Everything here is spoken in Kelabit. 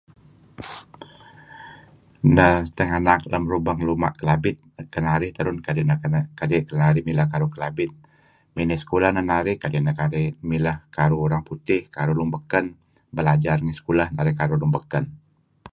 Neh tenganak lem lubang ruma' Kelabit kedinarih terun kadi' neh narih kedinarih mileh karuh Kelabit. Mey sekulah men narih kadi' neh narih mileh karuh urang putih, karuh lun beken , belajar ngi sekulah narih karuh lun beken..